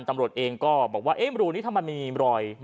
ตำรวจเองก็บอกว่ารูนี้ทำไมมีรอย